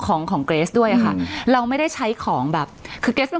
ของของเกรสด้วยค่ะเราไม่ได้ใช้ของแบบคือเกรสเนี้ย